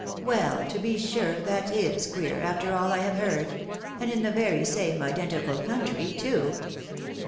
" Well! to be sure, that is queer, after all I have heard — and in the very same identical country too